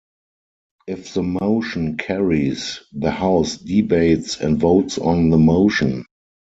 If the motion carries, the House debates and votes on the motion.